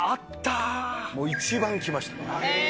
もう一番来ました。